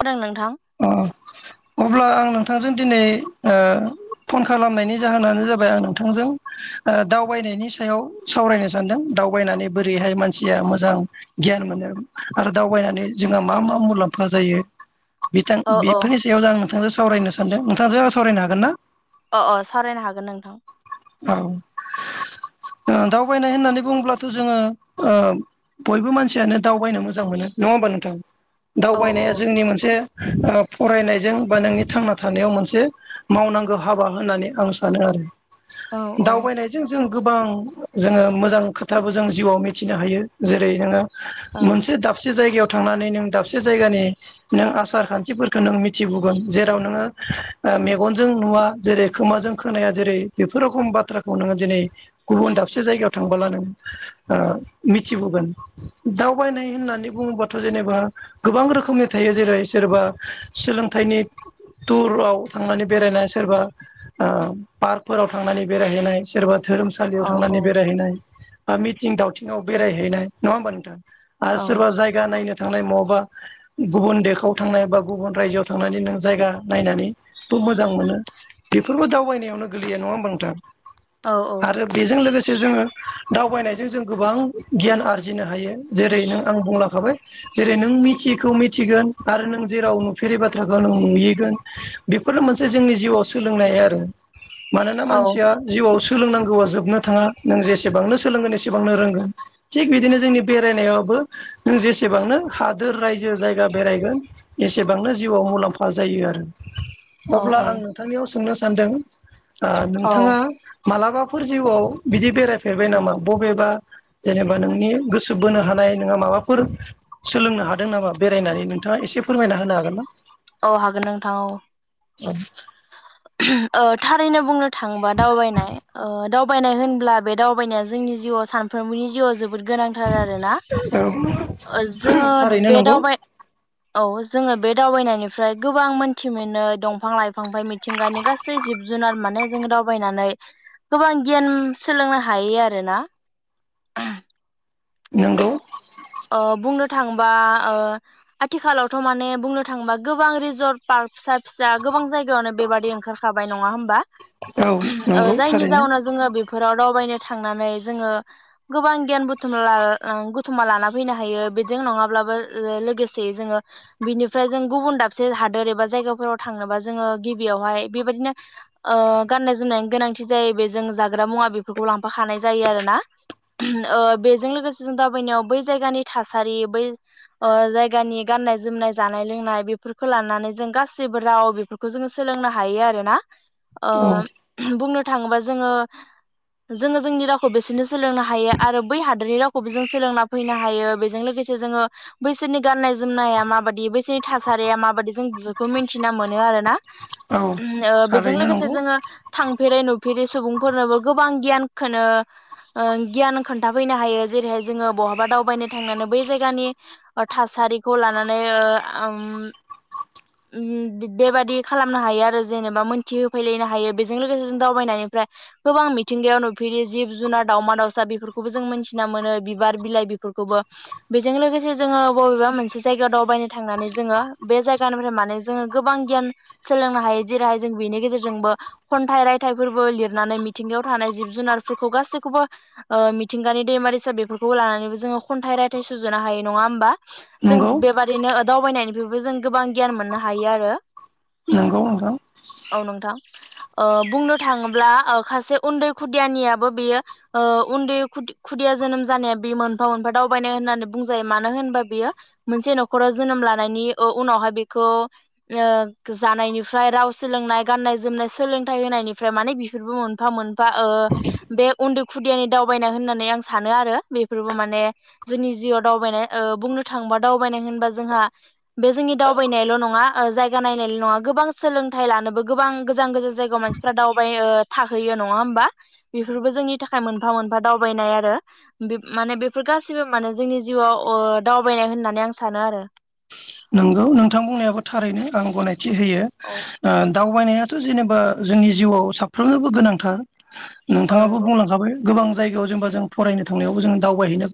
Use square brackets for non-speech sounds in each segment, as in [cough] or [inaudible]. खोनादों नोंथां अब्ला आं नोंथांजों दिनै ओ फन खालामनायनि जाहोनानो जाबाय आं नोंथांजों ओ दावबायनायनि सायाव सावरायनो सानदों दावबायनानै बोरैहाय मानसिया मोजां गियान मोनो आरो दावबायनानै जोंहा मा मा मुलाम्फ फा जायो बिथां औ औ बेफोरनि सायाव दा आं नोंथांजों सावरायनो सानदों नोंथांजों आं सावरायनो हागोन ना? अ अ सावरायनो हागोन नोंथां औ दावबायनाय ओ होननानै बुङोब्लाथ' जोङो ओ बयबो मानसियानो दावबायनो मोजां मोनो नङा होमबा नोंथां औ औ दावबायनाया जोंनि मोनसे ओ फरायनायजों बा नोंनि थांना थानायाव मोनसे मावनांगौ हाबा होननानै आं सानो आरो औ दावबायनायजों जों गोबां जोङो मोजां खोथाबो जों जिउआव मिथिनो हायो जेरै नोङो औ मोनसे दाबसे जायगायाव थांनानै नों दाबसे जायगानि नों आसार खान्थिफोरखौ नों मिथिबोगोन जेराव नोङो मेगनजों नुवा जेरै खोमाजों खोनाया जेरै बेफोर रोखोम बाथ्राखौ नोङो दिनै गुबुन दाबसे जायगायाव थांबोला नों मिथिबोगोन दावबायनाय होननानै बुङोबाथ' जेनेबा गोबां रोखोमनि थायो जेरै सोरबा सोलोंथाइनि टुराव थांनानै बेरायनाय सोरबा ओ पार्क फोराव थांनानै बेरायहैनाय सोरबा धोरोमसालियाव औ औ थांनानै बेरायहैनाय बा मिथिं दावथिं आव बेराय हैनाय नङा होमबा नोंथां आरो सोरबा जायगा नायनो थांनाय महाबा गुबुन देखआव थांनाय बा गुबुन रायजोआव थांनानै नों जायगा नायनानैबो मोजां मोनो बेफोरबो दावबायनायावनो सोलियो नङा ओमबा नोंथां आरो बेजों लोगोसे जोङो दावबायनायजों जों गोबां गियान आरजिनो हायो जेरै नों आं बुंलांखाबाय जेरै नों मिथियैखौ मिथिगोन आरो नों जेराव नुफेरै बाथ्राखौ नों नुयैगोन बेफोरनो मोनसे जोंनि जिउआव सोलोंनाय आरो मानोना मानसिया जिउआव सो सोलोंनांगौआ जोबनो थाङा नों जेसेबांनो सोलोंगोन एसेबांनो रोंगोन थिग बिदिनो जोंनि बेरायनायावबो नों जेसेबांनो हादोर रायजो जायगा बेरायगोन एसेबांनो जिउआव मुलाम्फा जायो आरो औ अब्ला आं नोंथांनियाव सोंनो सान्दों ओ औ नोंथाङा मालाबा फोर जिउआव बिदि बेरायफेरबाय नामा बबेबा जेनेबा नोंनि गोसो बोनो हानाय नोंहा माबाफोर सोलोंनो हादों नामा बेरायनानै नोंथाङा एसे फोरमायना होनो हागोन ना औ हागोन नोंथां औ औ ओ थारैनो बुंनो थांबा दावबायनाय ओ दावबायनाय होनब्ला बे दावबायनाया जोंनि जिउआव सानफ्रोमबोनि जिउआव जोब जोबोद गोनांथार आरोना ओ जोङो थारैनो बे नंगौ दावबाय औ जोङो बे दावबायनायनिफ्राय गोबां मोनथि मोनो दंफां लाइफां मि थिंगानि गासै जिब जुनार माने जों दावबायनानै गोबां गियान सोलोंनो हायो आरोना [unintelligible] नोंगौ। अ बुंनो थाङोबा ओ आथिखालावथ' माने बुंनो थाङोबा गोबां रिजर्ट पार्क फिसा फिसा गोबां जायगायावनो बेबादि ओंखारखाबाय नङा होमबा। औ नंगौ जायनि थारैनो जाउनाव जोङो बेफोराव दावबायनो थांनानै जोङो गोबां गियान [unintelligible] फैनो हायो बेजों नङाब्लाबो लोगोसेै जोङो बिनिफ्राय जों गुबुन दाबसे हादोर एबा जायगाफोराव थांनोबा जोङो गिबियावहाय बेबायदिनो ओ गाननाय जोमनायनि गोनांथि जायो बे जों जाग्रा मुवा बेफोरखौ लांफाखानाय जायो आरो ना ओ बेजों लोगोसे जों दाबायनायाव बै। जायगानि थासारि बै ओ जायगानि गाननाय जोमनाय जानाय लोंनाय बेफोरखौ लानानै जों गासिबो राव बेफोरखौ जोङो सोलोंनो हायो आरोना। ओ औ बुंनो थाङोबा जोङो जोङो जोंनि रावखौ बिसोरनो सोलोंनो हायो आरो बै हादोरनि रावखौबो जों सोलोंना। फैनो हायो बेजों लोगोसे जोङो बैसोरनि गाननाय जोमनाया माबायदि बैसोरनि थासारिया माबायदि जों बेफोर खौ मिथिना मोनो आरो ना। औ ओ बेजों थारैनो लोगोसे नंगौ जोङो थांफेरै फेरै सुबुंफोरनोबो गोबां गियान खोनो ओ गियान खोन्थाफैनो हायो जेरैहाय जोङो बहा बा दावबायनो थांनानै बै जायगानि ओ थासारिखौ लानानै [unintelligible] बेबादि खालामनो हायो आरो जेनेबा मोनथि होफैलायनो हायो बेजों लोगोसे जों दावबायनायनिफ्राय गोबां मिथिंगायाव नुफेरि जिब जुनार दावमा दाउसा बेफोरखौबो जों मोनथिना मोनो बिबार बिलाइ। बेफोरखौबो बेजों लोगोसे जोङो बबेबा मोनसे जायगायाव दावबायनो थांनानै जोङो बे जायगानिफ्राय माने जोङो गोबां गियान सोलोंनो हायो जेरैहाय जों बेनि गेजेरजोंबो खन्थाइ रायथाइफोरबो लिरनानै मिथिंगायाव थानाय जिब जुनारफोरखौ गासैखौबो ओ मिथिंगानि दैमा दैसा बेफोरखौबो लानानै जोङो खन्थाइ रायथाइ सुजुनो हायो नङा होनबा। जों नंगौ बेबादिनो दावबायनायनिफ्रायबो जों गोबां गियान मोननो हायो आरो। नंगौ नोंथां। औ नोंथां ओ बुंनो थाङोब्ला सासे उन्दै खुदियानियाबो बेयो ओ उन्दै खुदि-खुदिया जोनोम जानाया बेमोन। मोनफा मोनफा दावबायनाय होननानै बुंजायो मानो होनबा बियो मोनसे न'खराव जोनोम लानायनि उनावहाय बेखौ ओ जानायनिफ्राय राव सोलोंनाय गाननाय जोमनाय सोलोंथाइ होनायनिफ्राय माने बेफोरबो मोनफा मोनफा ओ बे उन्दै खुदियानि दावबायनाय होननानै आं सानो आरो बेफोर माने जोंनि जिउआव दावबायनाय ओ बुंनो थाङोबा दावबायनाय होनबा जोंहा बे जोंनि दावबायनायल' नङा जायगा नायनायल' नङा गोबां सोलोंथाइ लानोबो गोबां गोजान गोजान। जायगायाव मानसिफ्रा दावबायो थाहैयो नङा होमबा। बेफोरबो जोंनि था मोनफा मोनफा दावबायनाय आरो। माने बेफोर गासैबो माने जोंनि जिउआव ओ दावबायनाय होननानै आं सानो आरो। नोंगौ नोंथां बुंनायाबो थारैनो आं गनाय थि होयो औ ओ दावबायनायाथ' जेनेबा जोंनि जिउआव साफ्रोनोबो गोनांथार। औ नोंथाङाबो नंगौ बुंलांखाबाय गोबां जायगायाव जेनबा जों फरायनो थांनायावबो जों दावबायहैनो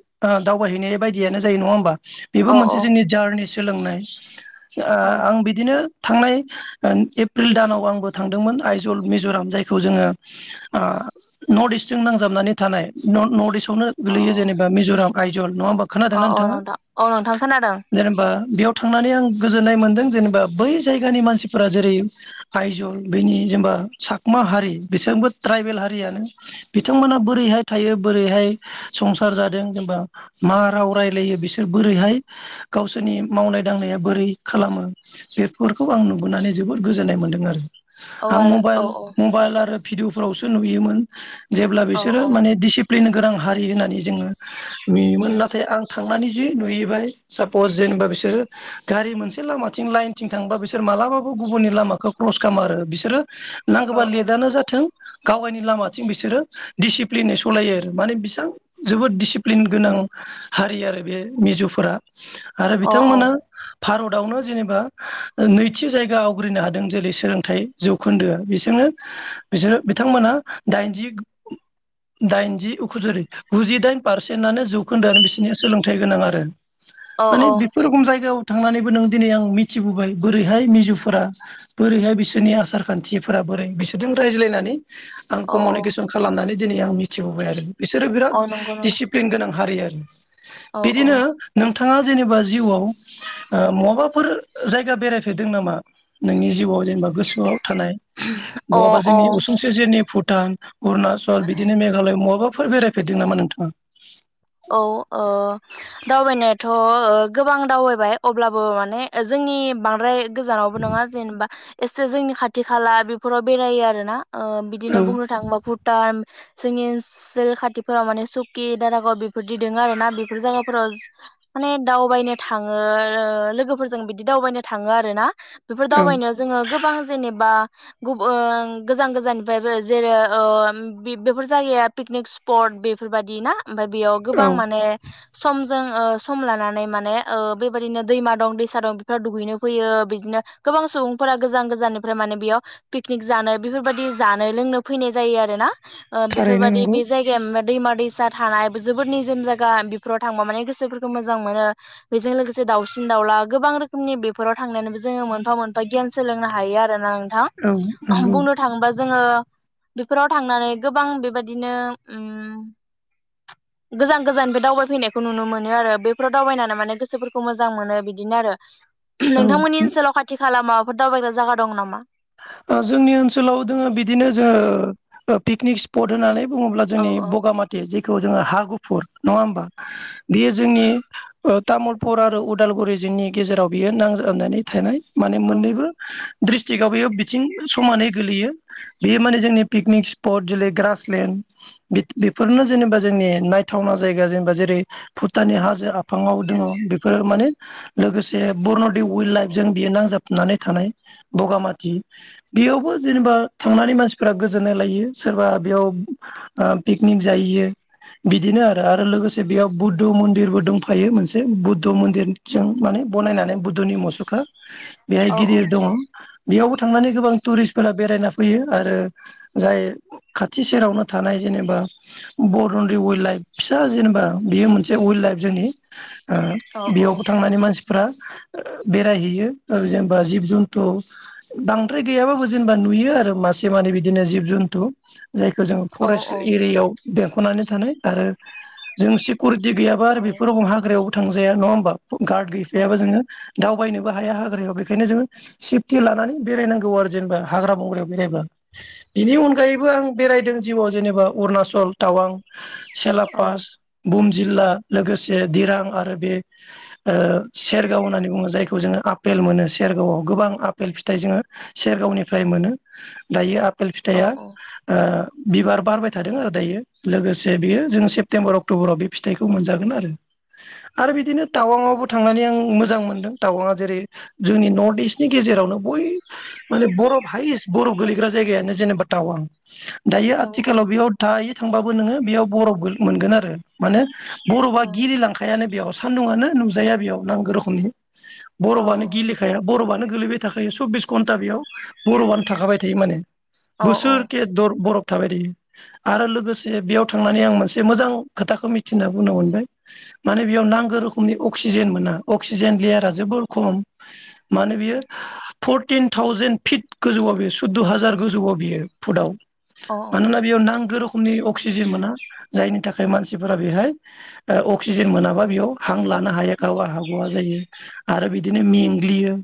दावबायहैनाय बायदियानो जायो नङा होमबा? बेबो औ औ मोनसे जोंनि जार्नि सोलोंनाय। औ आं बिदिनो थांनाय एप्रिल दानाव आंबो थांदोंमोन आइजल मिज'राम जायखौ जोङो ओ नर्थ इस्टजों नांजाबनानै थानाय नर्थ इस्ट यावनो औ गोलैयो जेनेबा मिज'राम। आइजल नङा होमबा औ खोनादोंना औ नोंथांङा नोंथां औ नोंथां खोनादों जेनेबा बेयाव थांनानै आं गोजोननाय मोन्दों जेनेबा बै जायगानि मानसिफोरा जेरै आइजल बेनि जेनबा सकमा हारि बिसोरबो ट्राइबेल हारियानो बिथांमोना बोरैहाय थायो बोरैहाय संसार जादों जेनेबा मा राव रायलायो बिसोर बोरैहाय गावसोरनि मावनाय दांनाया बोरै खालामो बेफोरखौ आं नुबोनानै जोबोद गोजोननाय मोन्दों आरो औ आं आरो मबाइल औ औ मबाइल आरो भिडअफ्रावसो नुयोमोन। जेब्ला औ बिसोरो औ माने दिसि प्लेन गोनां हारि होननानै जोंङो नुयोमोन नाथाय आं थांनानै जि नुहैयबाय सापस जेनेबा बि सोरो गारि मोनसे लामाथिं लाइनथिं थांबा बिसोर मालाबाबो गुबुननि लामाखौ क्लस खालामा आरो बिसोरो अ नांगौबा लेटआनो जाथों गावगायनि लामाथिं बिसोरो दिसिप्लिनै सलायो आरो माने बेसां जोबोद दिसिप्लिन गोनां हारि आरो बे मिज'फोरा अ औ बिथांमोना भारतआवनो जेनेबा नैथि जायगा आवग्रिनो हादों जेरै सोलोंथाइ जौखोन्दोआ बिसोरनो बिसोरो बिथांमोना दाइनजि दाइनजि उखुज गुजिदाइन पारसेन्टनो जौखोन्दोआनो बिसोरनिया सोलोंथाइ गोनां आरो अ अ खम जायगायाव थांनानैबो नों दिनै आं मिथिबोबाय बोरैहाय मिजुफोरा बोरैहाय बिसोरनि आसार खान्थिफोरा बोरै बिसोरजों रायज्लायनानै आं औ औ कमिउनिकेसन खालामनानै दिनै आं मिथिबोबाय आरो बिसोरो बिराद औ नंगौ नंगौ दिडिसिप्लिन गोनां। हारि आरो औ औ बिदिनो नों बिथांङा जेनेबा जिउआव ओ महाबाफोर जायगा बेरायफेरदों नामा नोंनि जिउआव जेनेबा गोसोआव थानाय अ बहाबा अ जोंनि उसुं सेर सेरनि भुटान अरुणाचल उम उम बिदिनो मेघालय मवाबा फोर बेरायफेरदों नामा नोंथांङा? औ ओ दावबायनाया थ' गोबां दावबायबाय अब्लाबो माने जोंनि बांद्राय गोजानावबो नङा जेनेबा एसे जोंनि खाथि खाला बेफोराव बेरायो आरो ना ओ बिदिनो औ बुंनो थाङोबा भुटान जोंनि ओनसोल खाथिफोराव माने सुकि दारागाव बे फोरदि दोंआरोना बेफोर जागाफोराव हो माने दावबायनो थाङो ओ लोगोफोरजों बिदि दावबायनो थाङो आरोना बेफोर औ दावबायनायाव जोङो गोबां जेनेबा गुबन गोजान गोजाननिफ्रायबो जेरो-ओ हम बिबेफोर जायगाया पिकनिक स्पट बेफोरबादि ना ओमफाइ बेयो औ गोबां माने-हो सम जों ओ सम लानानै माने ओ बेबायदिनो दैमा दं दैसा दं बेफोराव दुगैनो फैयो बिदनो गोबां सुबुंफोरा गोजान गोजाननिफ्राय माने बियाव पिकनिक जानो बिफोरबादि जानो लोंनो फैनाय जायो आरोना। ओ थारैनो बेफोरबादि नंगौ बे जायगाया दैमा दैसा थानायबोज। जोबोद निजोम जायगा बिफोराव थांबा माने गोसोफोरखौ मोजां मोनो बेजों लोगोसे दावसिन दाउला गोबां रोखोमनि बेफोराव थांनो-नोबो जोङो मोनफा मोनफा गियान सोलोंनो हायो आरोना् दा औ ओह्म नंगौ बुंनो थाङोबा। जोङो बेफोराव थांनानै गोबां बेबायदिनो उम। गोजान गोजाननिफाय दावबायफैनायखौ नुनो मोनो आरो, बेफोराव दावबायनाना माने गोसोफोरखौ मोजां मोनो बिदिनो आरो। ओम्ह औ नोंथांमोननि ओ ओनसोलाव खाथि-खाला माव बुड दावबायग्रा जागा दं नामा? ओ जोंनि ओनसोलाव जोङो बिदिनो जो ओ पिकनिकस पट होननानै बुङोब्ला औ जोंनि औ बगामाथि जिक खौ जोङो हा गुफुर नङा होमबा, बियो जोंनि ओ तामुलपुर आरो उदालगुरि जिंनि गेजेराव बियो नांजाबनानै थानाय। माने औ मोननैबो-हो द्रिस थिकआव बेयाव बिथिं समानै गोलैयो बेयो माने जोंनि पिकनिक स्पट जेरै ग्रासलेण्ड बि-बेफोरनो जेनेबा जोंनि नायथावना जायगा जेनेबा जेरै भुटाननि हाजो आफाङाव दोङो बेफोर माने लोगोसे। बरन'डिउ उई्ललाइफ ज बियो नांजाब नानै थानाय बगामाथि बेयावबो जेनेबा थांनानै मानसिफोरा गोजोननाय लायो सोरबा बेयाव ओ पिकनिक जायैयो बिदिनो आरो आरो लोगोसे बेयाव बुद्ध मन्दिरबो दोंफायो मोनसे बुद्ध मन्दिरजों माने बनायनानै बुद्धनि मुसुखा। बेआय औ गिदिर दङ। बेयावबो थांनानै गोबां टुरिस्टफोरा बेरायना फैयो आरो जाय खाथि सेरावनो थानाय जेनेबा बरन्दि उल्ड लाइफ फिसा जेनेबा बेयो मोनसे उल्ड लाइफ जोंनि ओ औ बेयावबो थांनानै मानसि फोरा ओ बेरायहैयो ओ जेनेबा जिब जुन थ' बांद्राय गैयाबाबो जेनेबा नुयो आरो मासे मानै बिदिनो जिब जन्थु जायखौ जों औ फरेस्ट एरियाव दों। कनानै थानाय आरो जों सिकुरिट दि गैयाबा आरो बेफोर अमब हाग्रायाव। थांजाया नं होमबा गार्ड औ गैफायाबा औ जोङो दाउ। बयाइनोबो हाया हाग्रायाव बेखायनो जों। सेपटि लानानै बेरायनांगौ आरो जेनेबा हाग्रा बंग्रायाव बेरायबा बिनि अनगायैबो आं बेरायदों जिउआव जेनेबा अरुणाचल टावां। सेला औ पास भुम जिल्ला लोगोसे दिरां आरो बे ओ सेरगाव होननानै बुङो, जायखौ जोङो आपेल मोनो सेरगावआव गोबां आपेल फिथाइ जोङो सेरगावनिफ्राय मोनो। दायो आपेल फिथाइया। बिबार बारबाय थादों आरो दायो लोगोसे बेयो जों सेप्तेम्बर अक्ट'बराव बे फिथाइखौ मोनजागोन आरो आरो बिदिनो टावाङआवबो थांनानै आं मोजां मोनदों टावांआ जेरै जोंनि नर्थ इस्ट गेजेरावनो बय माने बरफ हाइेस्ट बरफ गोलैग्रा जायगायानो जेनेबा टावां। दायो आथिखालाव बियाव थायो थांबाबो नोङो बेयाव बरफ मोनगोन आरो माने। बरफआ गिलिलांखायानो बेयाव। सान्दुंआनो नुजाया बेयाव नांगौ रोखोमनि। बरफआनो गिलिखाया बरफआनो गोलैबाय थाखायो सब्बिस घन्टा बेयाव बरफआनो थाखाबाय थायो माने। बोसोरके दर बरफ थाबाय थायो आरो लोगोसे बेयाव थांनानै आं मोनसे मोजां खोथाखौ मिथिना बुना मोनबाय माने बेयाव नांगौ रोखोमनि अक्सिजेन मोना अक्सिजेन लेयारा जोबोर खम मानो बियो। फरटिन थावजेन फिट गोजौआव बियो सुद्द' हाजार गोजौआव बियो फुटआव। औ औ मानोना बेयाव नांगो रोखोम मनि अक्सिजेन मोना जायनि थाखाय मानसिफोरा बेहाय अक्सिजेन मोनाबा बेयाव हां लानो हाया गावा हाग'वा जायो आरो बिदिनो मेंग्लियो।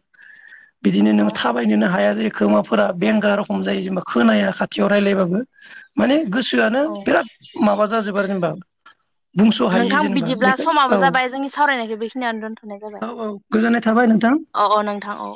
[inaudible] बिदिनो नों औ थाबायनोनो हाया। खोमाफोरा बेंगा रखम जायो जेनेबा खोनाया खाथियाव रायलायबाबो। माने गोसोआनो औ बिराद माबा जाजोब आरो जेनेबा बुंस' हायि नोंथां जेनेबा बिदिब्ला बेखाय समाबो औ जाबाय जोंनि सावरायनायखौ बेखिनियावनो दोनथ'नाय जाबाय औ औ गोजोननाय औ थाबाय नोंथां। औ औ नोंथां औ